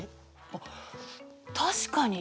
あっ確かに。